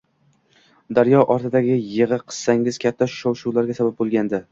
Daryo ortidagi yig‘i qissangiz katta shov-shuvlarga sabab bo‘lgandi